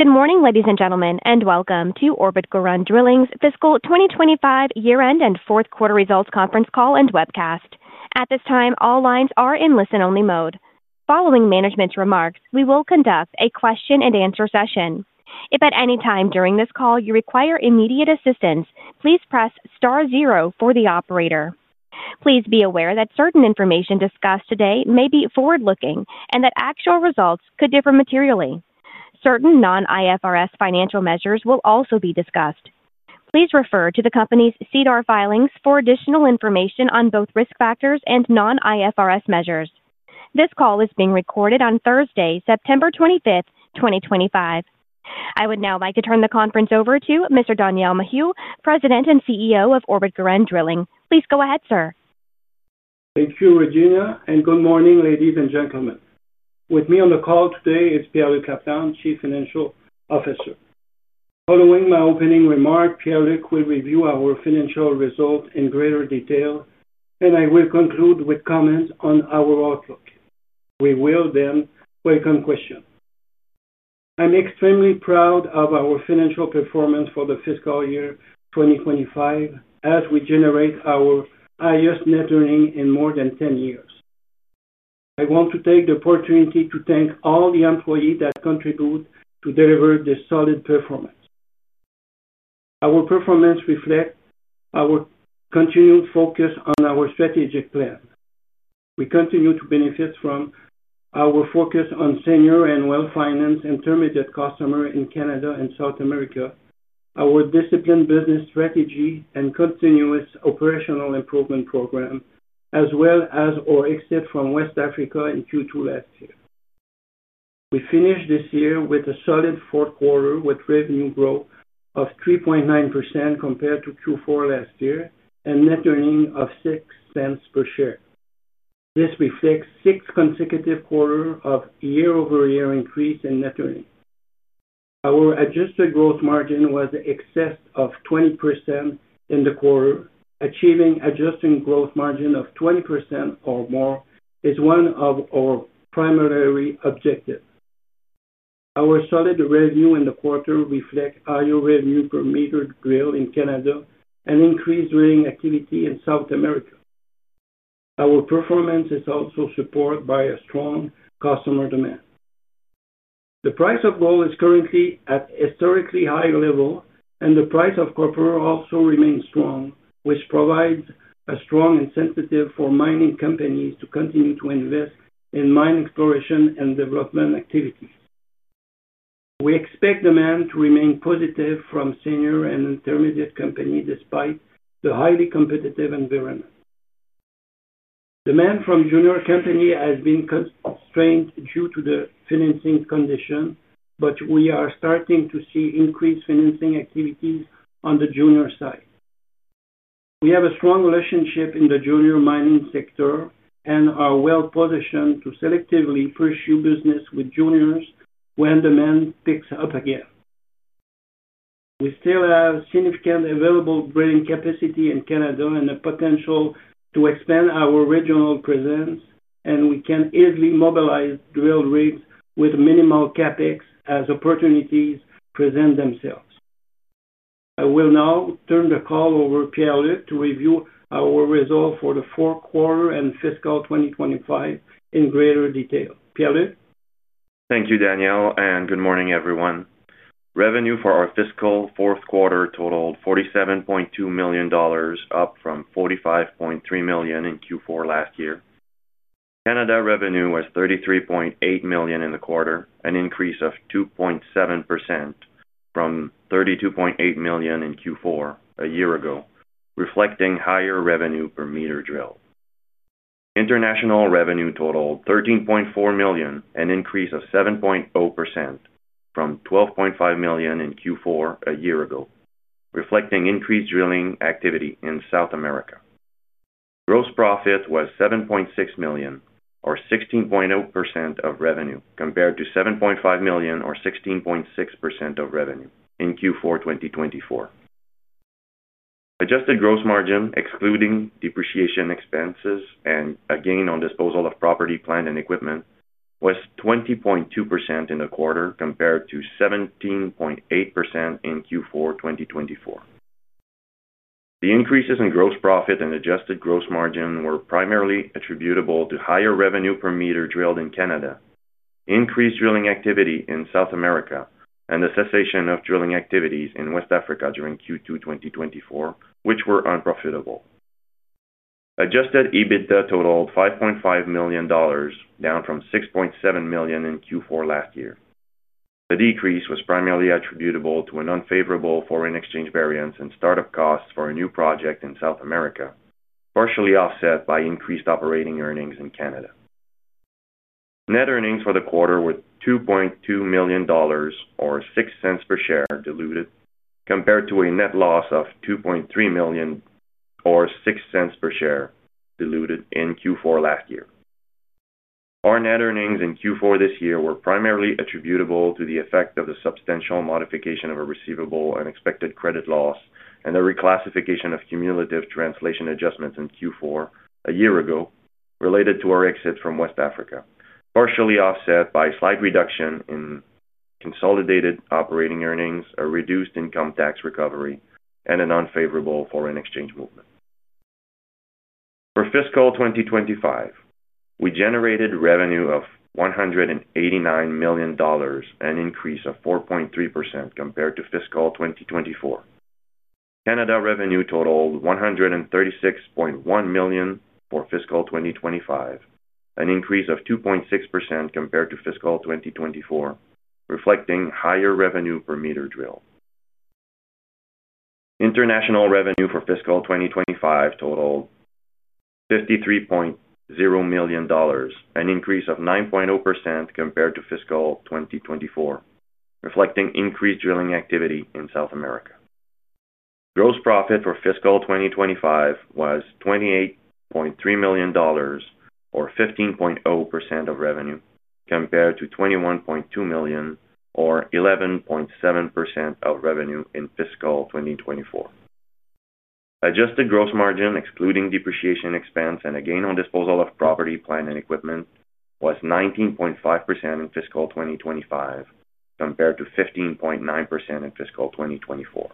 Good morning, ladies and gentlemen, and welcome to Orbit Garant Drilling's fiscal 2025 year-end and fourth quarter results conference call and webcast. At this time, all lines are in listen-only mode. Following management's remarks, we will conduct a question and answer session. If at any time during this call you require immediate assistance, please press star zero for the operator. Please be aware that certain information discussed today may be forward-looking and that actual results could differ materially. Certain non-IFRS financial measures will also be discussed. Please refer to the company's CDAR filings for additional information on both risk factors and non-IFRS measures. This call is being recorded on Thursday, September 25, 2025. I would now like to turn the conference over to Mr. Daniel Maheu, President and CEO of Orbit Garant Drilling. Please go ahead, sir. Thank you, Regina, and good morning, ladies and gentlemen. With me on the call today is Pier-Luc Laplante, Chief Financial Officer. Following my opening remark, Pier-Luc will review our financial results in greater detail, and I will conclude with comments on our outlook. We will then welcome questions. I'm extremely proud of our financial performance for the fiscal year 2025, as we generate our highest net earnings in more than 10 years. I want to take the opportunity to thank all the employees that contribute to deliver this solid performance. Our performance reflects our continued focus on our strategic plan. We continue to benefit from our focus on senior and well-financed intermediate mining customers in Canada and South America, our disciplined business strategy, and continuous operational improvement program, as well as our exit from West Africa in Q2 last year. We finished this year with a solid fourth quarter with revenue growth of 3.9% compared to Q4 last year and net earnings of $0.06 per share. This reflects six consecutive quarters of year-over-year increase in net earnings. Our adjusted gross margin was in excess of 20% in the quarter, achieving an adjusted gross margin of 20% or more is one of our primary objectives. Our solid revenue in the quarter reflects higher revenue per meter drilled in Canada and increased drilling activity in South America. Our performance is also supported by a strong customer demand. The price of gold is currently at a historically high level, and the price of copper also remains strong, which provides a strong incentive for mining companies to continue to invest in mine exploration and development activities. We expect demand to remain positive from senior and intermediate companies despite the highly competitive environment. Demand from junior companies has been constrained due to the financing conditions, but we are starting to see increased financing activities on the junior side. We have a strong relationship in the junior mining sector and are well-positioned to selectively pursue business with juniors when demand picks up again. We still have significant available drilling capacity in Canada and the potential to expand our regional presence, and we can easily mobilize drill rigs with minimal CapEx as opportunities present themselves. I will now turn the call over to Pier-Luc to review our results for the fourth quarter and fiscal 2025 in greater detail. Pier-Luc? Thank you, Daniel, and good morning, everyone. Revenue for our fiscal fourth quarter totaled $47.2 million, up from $45.3 million in Q4 last year. Canada revenue was $33.8 million in the quarter, an increase of 2.7% from $32.8 million in Q4 a year ago, reflecting higher revenue per meter drilled. International revenue totaled $13.4 million, an increase of 7.0% from $12.5 million in Q4 a year ago, reflecting increased drilling activity in South America. Gross profit was $7.6 million, or 16.0% of revenue, compared to $7.5 million, or 16.6% of revenue in Q4 2024. Adjusted gross margin, excluding depreciation expenses and a gain on disposal of property, plants, and equipment, was 20.2% in the quarter compared to 17.8% in Q4 2024. The increases in gross profit and adjusted gross margin were primarily attributable to higher revenue per meter drilled in Canada, increased drilling activity in South America, and the cessation of drilling activities in West Africa during Q2 2024, which were unprofitable. Adjusted EBITDA totaled $5.5 million, down from $6.7 million in Q4 last year. The decrease was primarily attributable to an unfavorable foreign exchange variance and startup costs for a new project in South America, partially offset by increased operating earnings in Canada. Net earnings for the quarter were $2.2 million, or $0.06 per share diluted, compared to a net loss of $2.3 million, or $0.06 per share diluted in Q4 last year. Our net earnings in Q4 this year were primarily attributable to the effect of the substantial modification of a receivable and expected credit loss and the reclassification of cumulative translation adjustments in Q4 a year ago related to our exit from West Africa, partially offset by a slight reduction in consolidated operating earnings, a reduced income tax recovery, and an unfavorable foreign exchange movement. For fiscal 2025, we generated revenue of $189 million, an increase of 4.3% compared to fiscal 2024. Canada revenue totaled $136.1 million for fiscal 2025, an increase of 2.6% compared to fiscal 2024, reflecting higher revenue per meter drilled. International revenue for fiscal 2025 totaled $53.0 million, an increase of 9.0% compared to fiscal 2024, reflecting increased drilling activity in South America. Gross profit for fiscal 2025 was $28.3 million, or 15.0% of revenue, compared to $21.2 million, or 11.7% of revenue in fiscal 2024. Adjusted gross margin, excluding depreciation expense and a gain on disposal of property, plants, and equipment, was 19.5% in fiscal 2025 compared to 15.9% in fiscal 2024.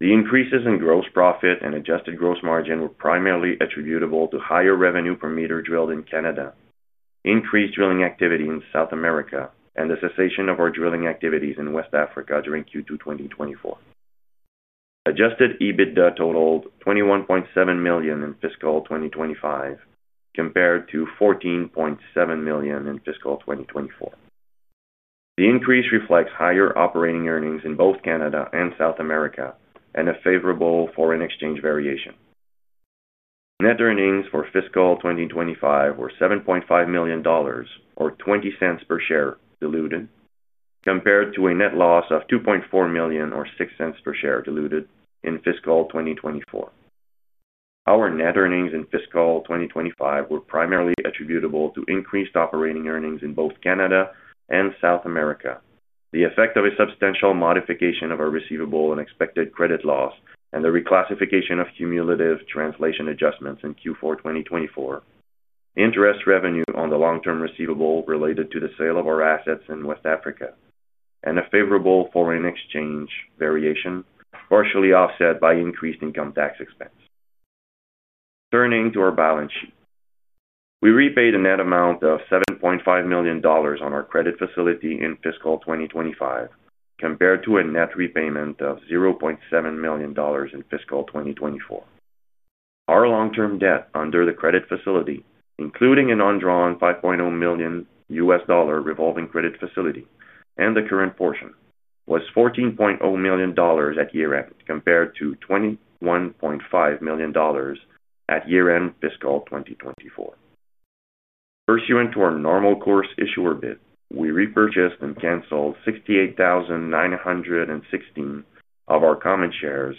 The increases in gross profit and adjusted gross margin were primarily attributable to higher revenue per meter drilled in Canada, increased drilling activity in South America, and the cessation of our drilling activities in West Africa during Q2 2024. Adjusted EBITDA totaled $21.7 million in fiscal 2025 compared to $14.7 million in fiscal 2024. The increase reflects higher operating earnings in both Canada and South America and a favorable foreign exchange variation. Net earnings for fiscal 2025 were $7.5 million, or $0.20 per share diluted, compared to a net loss of $2.4 million, or $0.06 per share diluted in fiscal 2024. Our net earnings in fiscal 2025 were primarily attributable to increased operating earnings in both Canada and South America, the effect of a substantial modification of our receivable and expected credit loss, and the reclassification of cumulative translation adjustments in Q4 2024, interest revenue on the long-term receivable related to the sale of our assets in West Africa, and a favorable foreign exchange variation partially offset by increased income tax expense. Turning to our balance sheet, we repaid a net amount of $7.5 million on our credit facility in fiscal 2025 compared to a net repayment of $0.7 million in fiscal 2024. Our long-term debt under the credit facility, including an undrawn $5.0 million U.S. dollar revolving credit facility and the current portion, was $14.0 million at year-end compared to $21.5 million at year-end fiscal 2024. Pursuant to our normal course issuer bid, we repurchased and canceled $68,916 of our common shares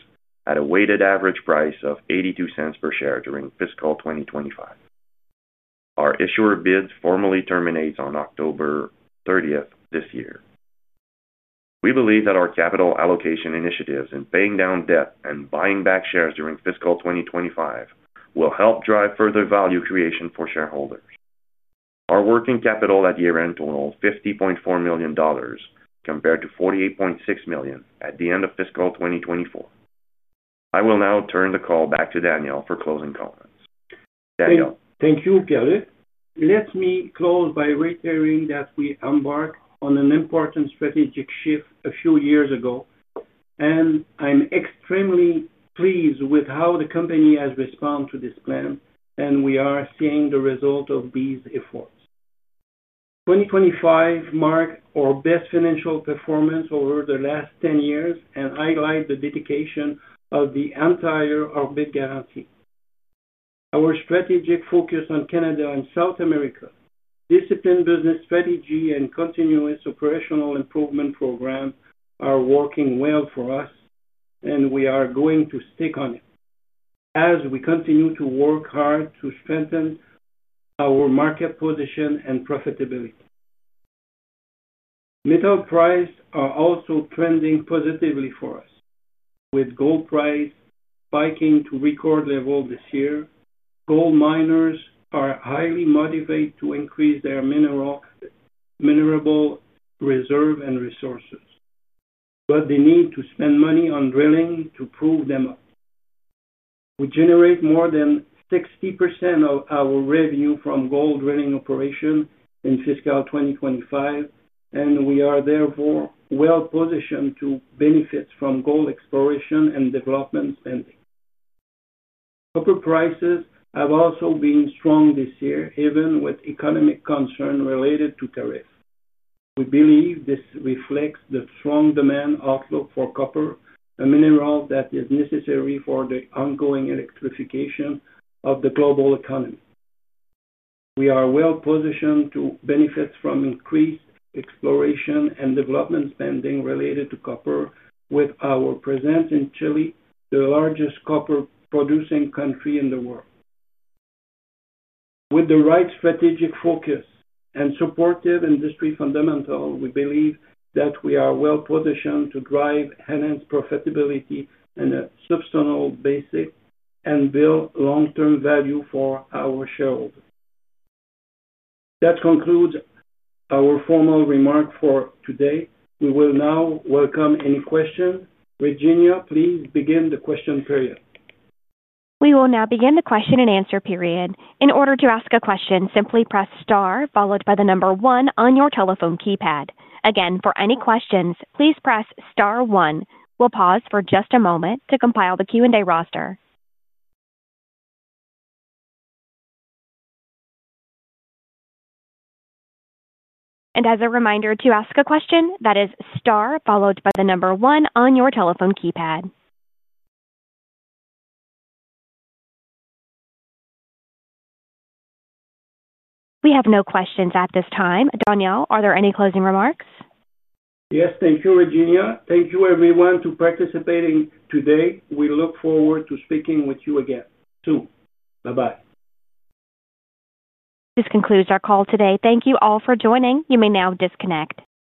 at a weighted average price of $0.82 per share during fiscal 2025. Our issuer bids formally terminate on October 30 this year. We believe that our capital allocation initiatives in paying down debt and buying back shares during fiscal 2025 will help drive further value creation for shareholders. Our working capital at year-end totaled $50.4 million compared to $48.6 million at the end of fiscal 2024. I will now turn the call back to Daniel for closing comments. Daniel. Thank you, Pier-Luc. Let me close by reiterating that we embarked on an important strategic shift a few years ago, and I'm extremely pleased with how the company has responded to this plan, and we are seeing the result of these efforts. 2025 marks our best financial performance over the last 10 years and highlights the dedication of the entire Orbit Garant team. Our strategic focus on Canada and South America, disciplined business strategy, and continuous operational improvement program are working well for us, and we are going to stick on it as we continue to work hard to strengthen our market position and profitability. Metal prices are also trending positively for us, with gold prices spiking to record levels this year. Gold miners are highly motivated to increase their mineral reserves and resources, but they need to spend money on drilling to prove them up. We generate more than 60% of our revenue from gold drilling operations in fiscal 2025, and we are therefore well-positioned to benefit from gold exploration and development spending. Copper prices have also been strong this year, even with economic concerns related to tariffs. We believe this reflects the strong demand outlook for copper, a mineral that is necessary for the ongoing electrification of the global economy. We are well-positioned to benefit from increased exploration and development spending related to copper, with our presence in Chile the largest copper-producing country in the world. With the right strategic focus and supportive industry fundamentals, we believe that we are well-positioned to drive enhanced profitability on a substantial basis and build long-term value for our shareholders. That concludes our formal remarks for today. We will now welcome any questions. Regina, please begin the question period. We will now begin the question and answer period. In order to ask a question, simply press star followed by the number one on your telephone keypad. Again, for any questions, please press star one. We'll pause for just a moment to compile the Q&A roster. As a reminder, to ask a question, that is star followed by the number one on your telephone keypad. We have no questions at this time. Daniel, are there any closing remarks? Yes, thank you, Regina. Thank you, everyone, for participating today. We look forward to speaking with you again soon. Bye-bye. This concludes our call today. Thank you all for joining. You may now disconnect.